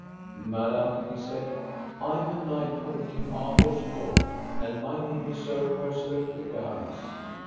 Madam, he said, I am a knight of King Arthur's court, and my name is Sir Percivale de Galis.